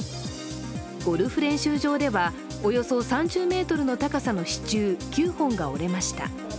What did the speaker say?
ゴルフ練習場では、およそ３０ｍの高さの支柱９本が折れました。